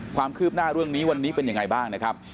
ความคืบหน้าเรื่องนี้วันนี้เป็นยังไงบ้างนะครับ